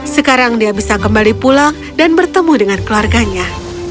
sekarang dia bisa kembali pulang dan bertemu dengan keluarganya